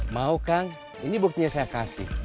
mau kang ini buktinya saya kasih